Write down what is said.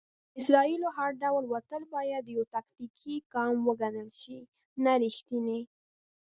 د اسرائیلو هر ډول وتل بايد يو "تاکتيکي ګام وګڼل شي، نه ريښتينی".